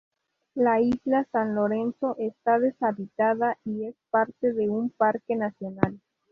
La isla San Lorenzo está deshabitada y es parte de un parque nacional.